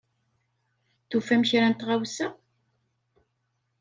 Tufam kra n tɣawsa?